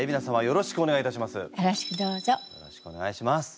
よろしくお願いします。